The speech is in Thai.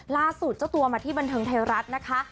ล่าสุดเจ้าตัวมาที่บันเทิงไทยรัฐนะคะ